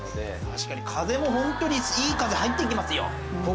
確かに風もホントにいい風入って来ますよ。